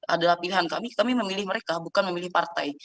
adalah pilihan kami kami memilih mereka bukan memilih partai